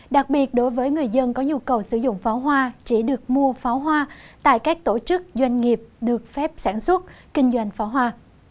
đặc biệt đối với người dân có nhu cầu sử dụng pháo hoa chỉ được mua pháo hoa tại các tổ chức doanh nghiệp được phép sản xuất kinh doanh pháo hoa